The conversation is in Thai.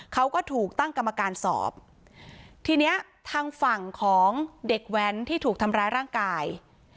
เขาก็ถูกตั้งกรรมการสอบทีเนี้ยทางฝั่งของเด็กแว้นที่ถูกทำร้ายร่างกาย